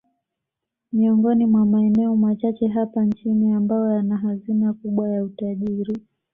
Miongoni mwa maeneo machache hapa nchini ambayo yana hazina kubwa ya utajiri